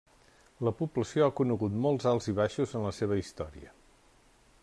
La població ha conegut molts alts i baixos en la seva història.